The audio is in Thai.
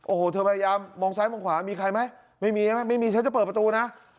โอ้โหเธอพยายามมองซ้ายมองขวามีใครไหมไม่มีใช่ไหมไม่มีฉันจะเปิดประตูนะ